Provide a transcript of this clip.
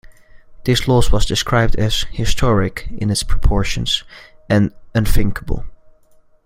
This loss was described as "historic" in its proportions, and "unthinkable".